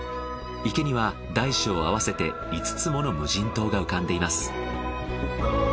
池には大小合わせて５つもの無人島が浮かんでいます。